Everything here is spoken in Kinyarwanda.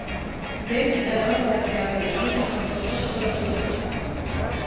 Fredy arababara cyane, ariko akavuga ko ashobora kubifata.